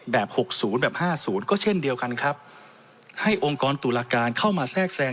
หกศูนย์แบบห้าศูนย์ก็เช่นเดียวกันครับให้องค์กรตุลาการเข้ามาแทรกแทรง